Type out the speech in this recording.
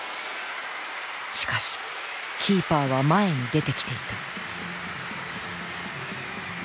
しかしキーパーは前に出てきていた。